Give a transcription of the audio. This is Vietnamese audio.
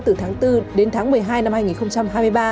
từ tháng bốn đến tháng một mươi hai năm hai nghìn hai mươi ba